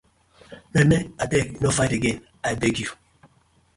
Maymay abeg no fight again abeg yu.